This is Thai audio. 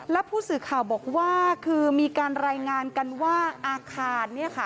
และผู้สื่อข่าวบอกว่าคือมีการรายงานกันว่าอาคาร